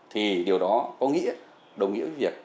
thì điều đó có nghĩa đồng nghĩa với việc